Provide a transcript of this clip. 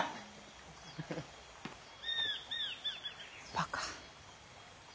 バカ。